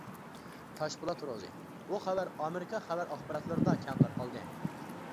تاشپولات روزى بۇ خەۋەر ئامېرىكا خەۋەر ئاخباراتلىرىدا كەڭ تارقالدى.